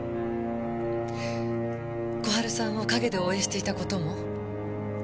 小春さんを陰で応援していた事も全て無駄だった。